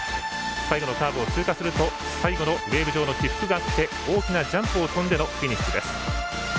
最後のカーブを通過すると最後のウエーブ状の起伏があり大きなジャンプをとんでフィニッシュ。